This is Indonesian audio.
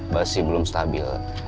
masih belum stabil